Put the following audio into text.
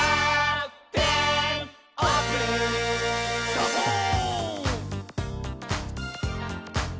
「サボーン！」